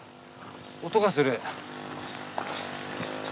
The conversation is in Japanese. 音がする。